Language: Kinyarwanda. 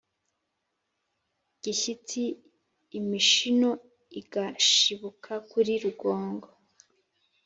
gishyitsi, imishino igashibuka kuri rugongo